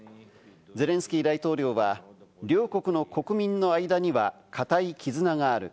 ゼレンスキー大統領は両国の国民の間には固い絆がある。